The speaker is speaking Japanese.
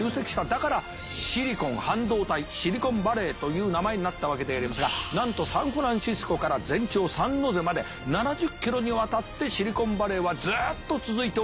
だからシリコン半導体シリコンバレーという名前になったわけでありますがなんとサンフランシスコから全長サンノゼまで７０キロにわたってシリコンバレーはずっと続いております。